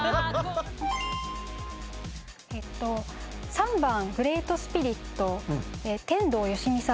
３番『グレイト・スピリット』天童よしみさん。